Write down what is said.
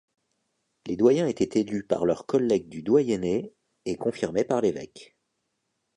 Les doyens étaient élus par leurs collègues du doyenné et confirmés par l’évêque.